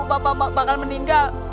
bapak bakal meninggal